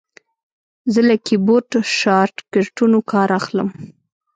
زه له کیبورډ شارټکټونو کار اخلم.